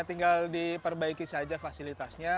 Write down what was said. tinggal diperbaiki saja fasilitasnya